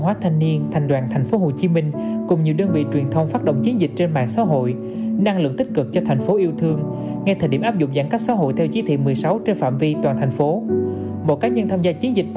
khi thành phố hồ chí minh bước vào giai đoạn chống dịch mơ